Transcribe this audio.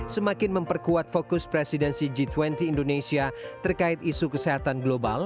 semakin memperkuat fokus presidensi g dua puluh indonesia terkait isu kesehatan global